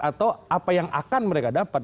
atau apa yang akan mereka dapat